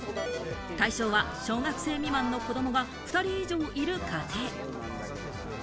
対象は小学生未満の子供が２人以上いる家庭。